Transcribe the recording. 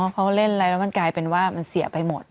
เขาเล่นอะไรแล้วมันกลายเป็นว่ามันเสียไปหมด